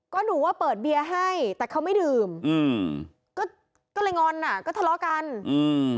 ก็หนูว่าเปิดเบียร์ให้แต่เขาไม่ดื่มอืมก็ก็เลยงอนอ่ะก็ทะเลาะกันอืม